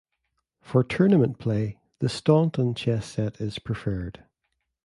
For tournament play, the Staunton chess set is preferred.